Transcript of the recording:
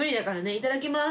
いただきます！